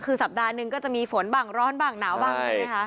คือสัปดาห์หนึ่งก็จะมีฝนบ้างร้อนบ้างหนาวบ้างใช่ไหมคะ